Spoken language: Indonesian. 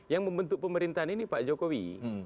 yang membentuk pemerintahan ini pak jokowi